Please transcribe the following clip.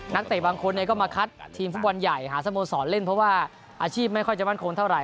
เตะบางคนก็มาคัดทีมฟุตบอลใหญ่หาสโมสรเล่นเพราะว่าอาชีพไม่ค่อยจะมั่นคงเท่าไห